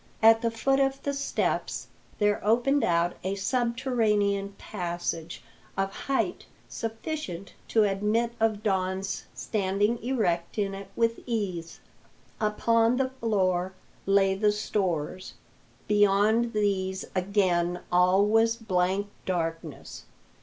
At the foot of the steps there opened out a subterranean passage, of height sufficient to admit of Don's standing erect in it with ease. Upon the floor lay the stores; beyond these again all was blank darkness.